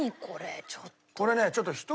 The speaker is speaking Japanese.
これちょっと。